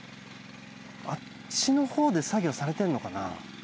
あっちのほうで作業されてるのかな？